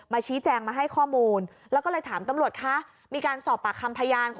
ชี้แจงมาให้ข้อมูลแล้วก็เลยถามตำรวจคะมีการสอบปากคำพยาน